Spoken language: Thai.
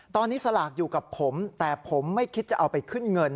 ตอนนี้สลากอยู่กับผมแต่ผมไม่คิดจะเอาไปขึ้นเงิน